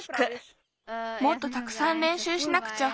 もっとたくさんれんしゅうしなくちゃ。